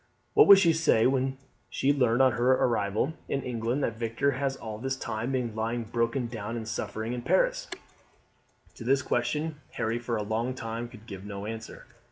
What would she say when she learned on her arrival in England that Victor has all this time been lying broken down and in suffering in Paris?" To this question Harry, for a long time, could give no answer.